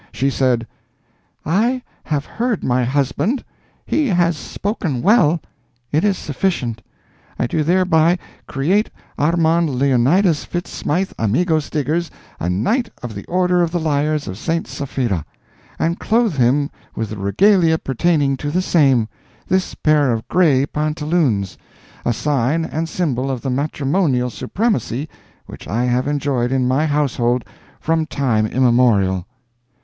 She said: "I have heard my husband; he has spoken well; it is sufficient. I do hereby create Armand Leonidas Fitz Smythe Amigo Stiggers a Knight of the Order of the Liars of St. Sapphira, and clothe him with the regalia pertaining to the same—this pair of gray pantaloons—a sign and symbol of the matrimonial supremacy which I have enjoyed in my household from time immemorial."